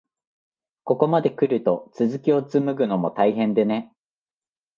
ここまでくると、続きをつむぐのも大変でね。